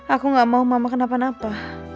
aku gak mau mama kenapa napa